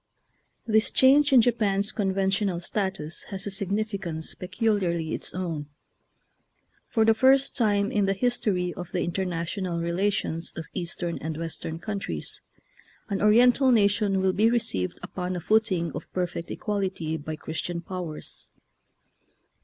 This change in Japan's conventional status has a significance peculiarly its own. For the first time in the history of the international relations of Eastern and Western countries, an Oriental nation will be received upon a footing of perfect equality by Christian powers.